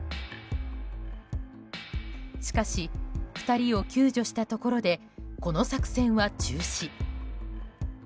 しかし２人を救助したところでこの作戦は中止。